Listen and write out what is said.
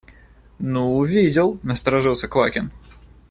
– Ну, видел, – насторожился Квакин.